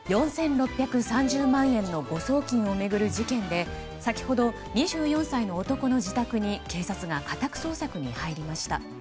４６３０万円の誤送金を巡る事件で先ほど、２４歳の男の自宅に警察が家宅捜索に入りました。